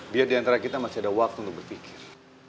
dia diantara kita masih ada waktu untuk berpikir